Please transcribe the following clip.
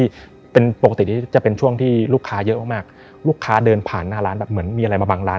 ที่เป็นปกติที่จะเป็นช่วงที่ลูกค้าเยอะมากมากลูกค้าเดินผ่านหน้าร้านแบบเหมือนมีอะไรมาบังร้าน